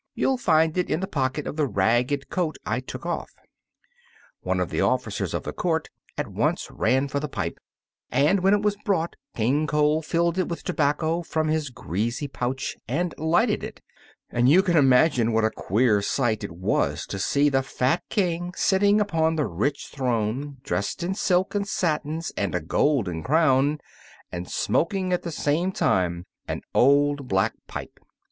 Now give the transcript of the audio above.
You'll find it in the pocket of the ragged coat I took off." One of the officers of the court at once ran for the pipe, and when it was brought King Cole filled it with tobacco from his greasy pouch and lighted it, and you can imagine what a queer sight it was to see the fat King sitting upon the rich throne, dressed in silks and satins and a golden crown, and smoking at the same time an old black pipe!